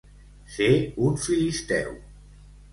Ser un filisteu.